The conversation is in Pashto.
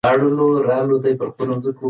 دا وچه مېوه د کلسیم ډېره لویه سرچینه ده.